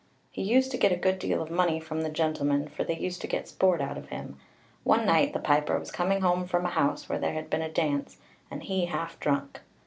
He used to get a good deal of money from the gentlemen, for they used to get sport out of him. One night the piper was coming home from a house where there had been a dance, and he half drunk.